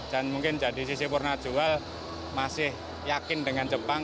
dan mungkin jadi sisi purna jual masih yakin dengan jepang